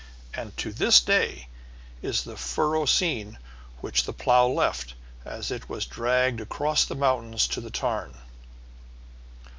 And to this day is the furrow seen which the plough left as it was dragged across the mountains to the tarn.